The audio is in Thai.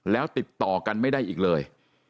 แล้วติดต่อกันไม่ได้อีกเลย